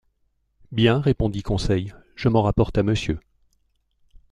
Bien, répondit Conseil, je m’en rapporte à monsieur.